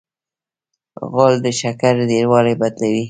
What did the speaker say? غول د شکر ډېروالی بدلوي.